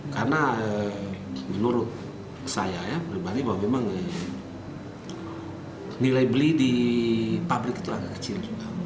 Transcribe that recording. karena menurut saya ya pribadi bahwa memang nilai beli di pabrik itu agak kecil